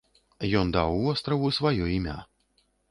Ён даў востраву сваё імя.